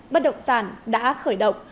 bất động sản đã khởi động